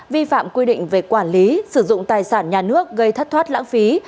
vi phạm quy định về quản lý sử dụng tài sản nhà nước gây thất thoát lãng phí